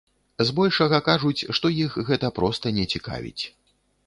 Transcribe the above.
Збольшага кажуць, што іх гэта проста не цікавіць.